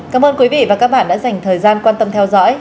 cảm ơn quý vị và các bạn đã dành thời gian quan tâm theo dõi